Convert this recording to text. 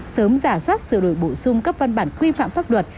sớm giả soát sửa đổi bổ sung các văn bản quy phạm pháp luật